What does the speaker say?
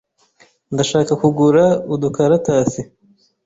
Ndashaka kugura udukaratasi.